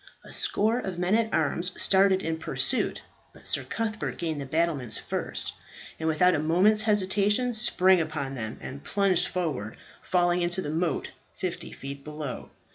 A score of men at arms started in pursuit; but Sir Cuthbert gained the battlements first, and without a moment's hesitation sprang upon them and plunged forward, falling into the moat fifty feet below.